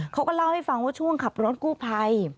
เขาก็เล่าให้ฟังว่าช่วงขับรถกู้ภัย